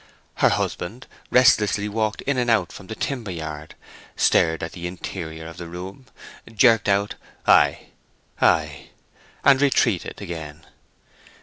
Her husband restlessly walked in and out from the timber yard, stared at the interior of the room, jerked out "ay, ay," and retreated again.